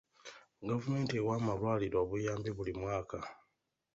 Gavumenti ewa amalwaliro obuyambi buli mwaka.